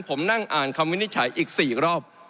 ผมนั่งอ่านคำวินิจฉัยอีก๔รอบ